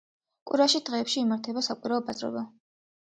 კვირა დღეებში იმართებოდა საკვირაო ბაზრობა.